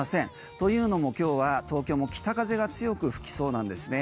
というのも今日は東京も北風が強く吹きそうなんですね。